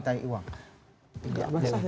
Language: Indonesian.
tidak basah ya